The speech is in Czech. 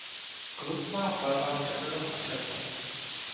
Klub má v barvách červenou a černou.